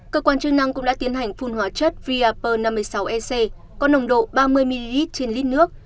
cơ quan chức năng cũng đã tiến hành phun hóa chất riapur năm mươi sáu ec có nồng độ ba mươi ml trên lít nước